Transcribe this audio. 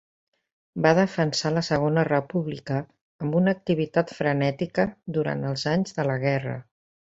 Va defensar la Segona República amb una activitat frenètica durant els anys de la guerra.